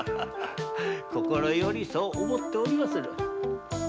心よりそう思っておりまする。